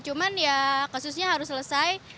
cuman ya kasusnya harus selesai